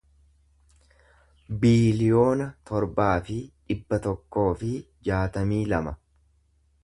biiliyoona torbaa fi dhibba tokkoo fi jaatamii lama